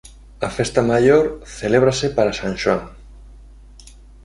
A festa maior celébrase para San Xoán.